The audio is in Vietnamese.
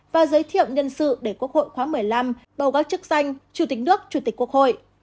và giới thiệu nhân sự để quốc hội khóa một mươi năm bầu các chức danh chủ tịch nước chủ tịch quốc hội